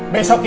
saya mau pergi